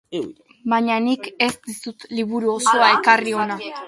Baina nik ez dizut liburu osoa ekarri hona.